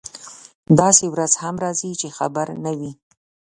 داسې ورځ هم راځي چې خبر نه وي.